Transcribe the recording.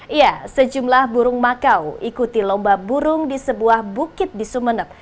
iya sejumlah burung makau ikuti lomba burung di sebuah bukit di sumeneb